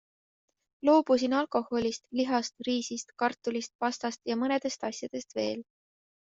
Loobusin alkoholist, lihast, riisist, kartulist, pastast ja mõnedest asjadest veel.